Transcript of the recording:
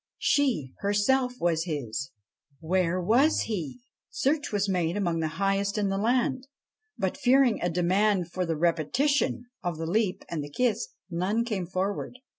She, herself, was his ; where was he ? Search was made among the highest in the land, but, fearing a demand for the repetition of the leap and the kiss, none came forward.